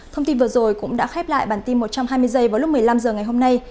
thông tin vừa rồi cũng đã khép lại bản tin một trăm hai mươi h vào lúc một mươi năm h ngày hôm nay